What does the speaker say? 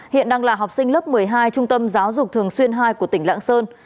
hiện đang là học sinh lớp một mươi hai trung tâm giáo dục thường xuyên hai của tỉnh lạng sơn